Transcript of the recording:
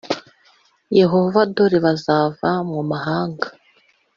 Yehova Dore bazava mu mahanga